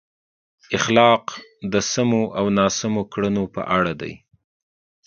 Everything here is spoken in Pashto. اخلاق د سمو او ناسم کړنو په اړه دي.